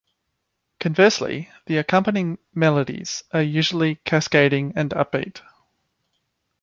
Conversely, the accompanying melodies are usually cascading and upbeat.